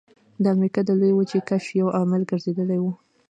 د امریکا د لویې وچې کشف یو عامل ګرځېدلی و.